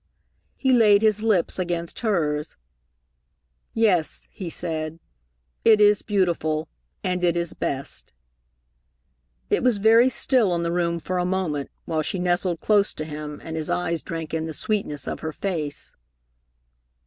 He laid his lips against hers. "Yes," he said; "it is beautiful, and it is best." It was very still in the room for a moment while she nestled close to him and his eyes drank in the sweetness of her face.